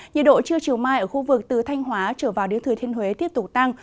nhiệt độ trưa chiều mai ở khu vực từ thanh hóa trở vào đến thừa thiên huế tiếp tục tăng